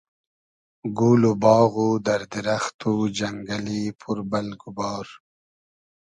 گول و باغ و دئر دیرئخت و جئنگئلی پور بئلگ و بار